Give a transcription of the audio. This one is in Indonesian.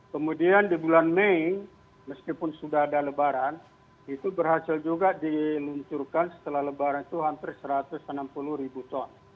kemudian di bulan mei meskipun sudah ada lebaran itu berhasil juga diluncurkan setelah lebaran itu hampir satu ratus enam puluh ribu ton